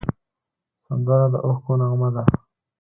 سندره د اوښکو نغمه ده